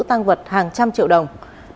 tăng vật hàng trăm triệu đồng